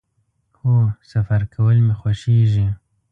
هو، سفر کول می خوښیږي